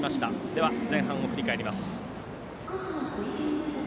では、前半を振り返ります。